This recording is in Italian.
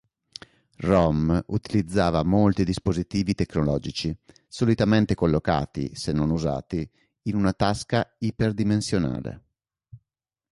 Rom utilizzava molti dispositivi tecnologici, solitamente collocati, se non usati, in una tasca iper-dimensionale.